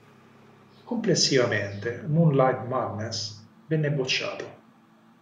Complessivamente, "Moonlight Madness" venne bocciato.